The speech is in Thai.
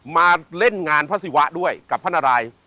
มาเล่นงานพระศิวะด้วยกับพระนาราย